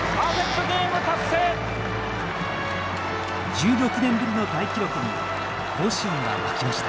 １６年ぶりの大記録に甲子園は沸きました。